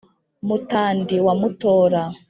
mutandi wa mutora